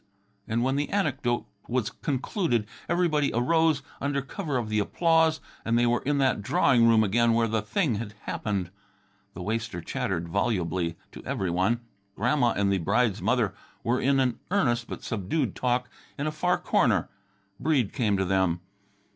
And when the anecdote was concluded everybody arose under cover of the applause, and they were in that drawing room again where the thing had happened. The waster chattered volubly to every one. Grandma and the bride's mother were in earnest but subdued talk in a far corner. Breede came to them.